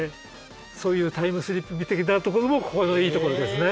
そういうタイムスリップ的なところもここのいいところですね。